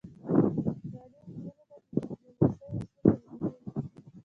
تعلیم نجونو ته د ډیپلوماسۍ اصول ور زده کوي.